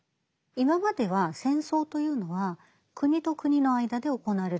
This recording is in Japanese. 今までは戦争というのは国と国の間で行われるものだった。